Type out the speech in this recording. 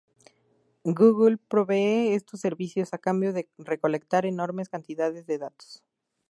Google provee estos servicios a cambio de recolectar enormes cantidades de datos.